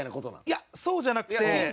いやそうじゃなくて。